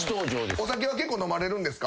お酒は結構飲まれるんですか？